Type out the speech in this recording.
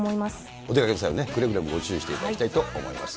お出かけの際はくれぐれもご注意していただきたいと思います。